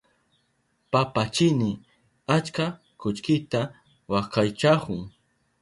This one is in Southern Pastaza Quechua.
Papachini achka kullkita wakaychahun.